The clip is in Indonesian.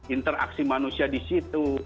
interaksi manusia di situ